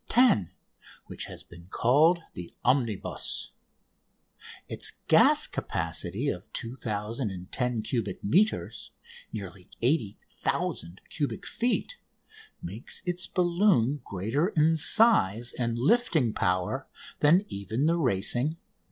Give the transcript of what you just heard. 10," which has been called "The Omnibus." Its gas capacity of 2010 cubic metres (nearly 80,000 cubic feet) makes its balloon greater in size and lifting power than even the racing "No.